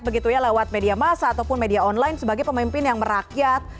begitu ya lewat media masa ataupun media online sebagai pemimpin yang merakyat